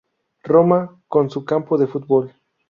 Roma con su campo de fútbol.